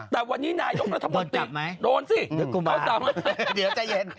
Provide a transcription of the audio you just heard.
โดนจัดมั้ย